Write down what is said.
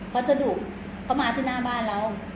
พัสดุเขามาที่หน้าบ้านเรา